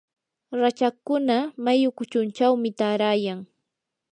rachakkuna mayu kuchunchawmi taarayan.